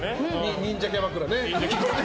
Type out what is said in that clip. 忍者キャバクラね。